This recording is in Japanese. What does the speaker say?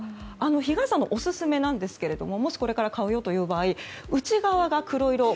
日傘のオススメなんですがもし、これから買うよという場合内側が黒色。